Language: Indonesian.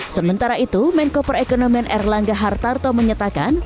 sementara itu menkoper ekonomin erlangga hartarto menyatakan